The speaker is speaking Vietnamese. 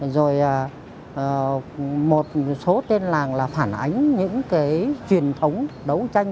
rồi một số tên làng là phản ánh những cái truyền thống đấu tranh